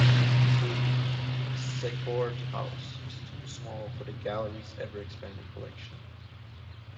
Soon, even Secord House was too small for the gallery's ever-expanding collection.